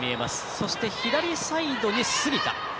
そして、左サイドに杉田。